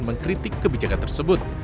mengkritik kebijakan tersebut